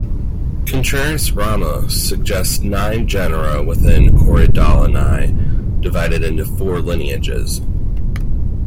Contreras-Ramos suggests nine genera within Corydalinae, divided into four lineages.